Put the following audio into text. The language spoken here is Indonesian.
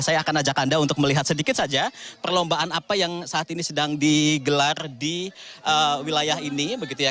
saya akan ajak anda untuk melihat sedikit saja perlombaan apa yang saat ini sedang digelar di wilayah ini